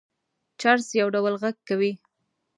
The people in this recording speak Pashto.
جرس يو ډول غږ کوي.